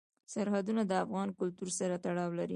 سرحدونه د افغان کلتور سره تړاو لري.